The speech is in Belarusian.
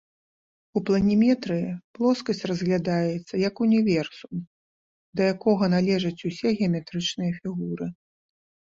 У планіметрыі плоскасць разглядаецца як універсум, да якога належаць усе геаметрычныя фігуры.